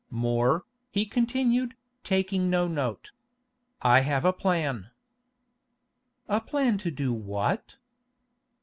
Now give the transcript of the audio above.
"More," he continued, taking no note. "I have made a plan." "A plan to do what?"